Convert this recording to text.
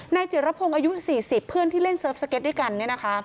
นายเจรพงศ์อายุ๔๐เพื่อนที่เล่นเซิร์ฟสเก็ตด้วยกัน